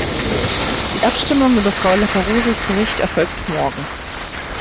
Die Abstimmung über Frau Laperrouzes Bericht erfolgt morgen.